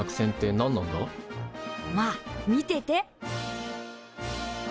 まあ見てて。